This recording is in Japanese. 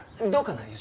どうかな？